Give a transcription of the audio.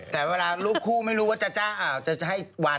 แล้วก็รูปพี่แหนมเอง